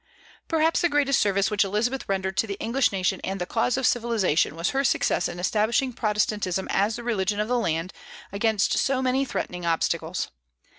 Perhaps the greatest service which Elizabeth rendered to the English nation and the cause of civilization was her success in establishing Protestantism as the religion of the land, against so many threatening obstacles.